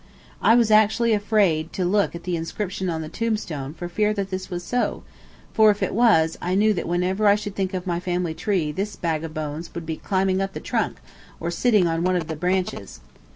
I was actually afraid to look at the inscription on the tombstone for fear that this was so, for if it was, I knew that whenever I should think of my family tree this bag of bones would be climbing up the trunk, or sitting on one of the branches.